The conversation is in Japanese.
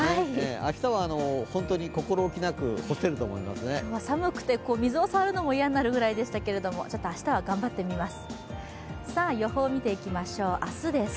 明日は本当に心置きなく今日は寒くて水を触るのも嫌なぐらいでしたが明日は頑張ってみます。